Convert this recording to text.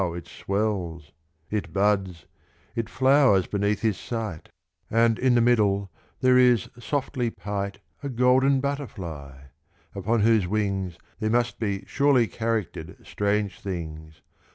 It swells, it buds, it flowers beneath his sight; And, in the middle, there is softly pight A golden butterfly; upon whose wings There must be surely character'd strange things.